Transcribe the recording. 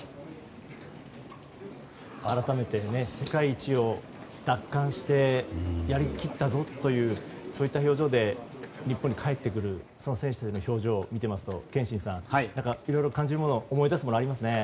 改めて、世界一を奪還してやりきったぞというそういった表情で日本に帰ってくる選手たちの表情を見ていますと、憲伸さんいろいろ感じるもの思い出すもの、ありますね。